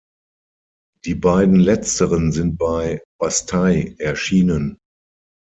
Die beiden letzteren sind bei Bastei erschienen.